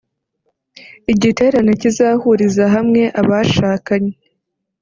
Igiterane kizahuriza hamwe abashakanye